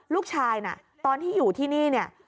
ลูกชายน่ะตอนที่อยู่ที่นี่เนี่ย